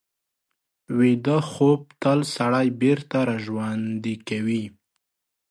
ویده خوب تل سړی بېرته راژوندي کوي